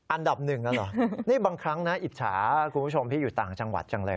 อันดับหนึ่งแล้วเหรอนี่บางครั้งนะอิจฉาคุณผู้ชมที่อยู่ต่างจังหวัดจังเลย